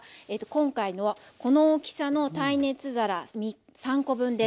今回のはこの大きさの耐熱皿３コ分です。